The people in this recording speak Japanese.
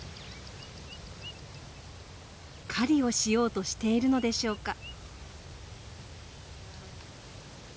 狩りをしようとしているのでしょうか。